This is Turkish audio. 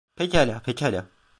Pekala, pekala.